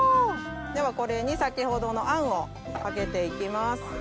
ではこれに先ほどのあんをかけて行きます。